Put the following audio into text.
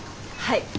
はい。